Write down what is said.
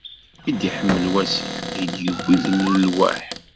I d-iḥmel wasif, i d-yewwi d lelwaḥ.